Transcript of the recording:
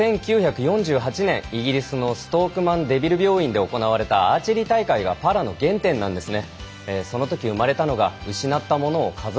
１９４８年イギリスのストーク・マンデビル病院で行われたアーチェリー大会がパラの原点なんですね。